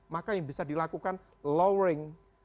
maka yang bisa dilakukan lowering